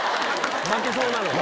負けそうなのに。